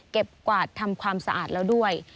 กวาดทำความสะอาดแล้วด้วย